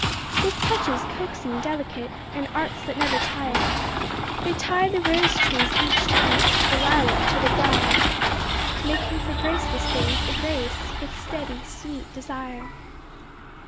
With touches coaxing, delicate, And arts that never tire, They tie the rose trees each to each, The lilac to the brier, Making for graceless things a grace, With steady, sweet desire.